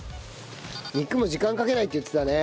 肉も時間かけないって言ってたね。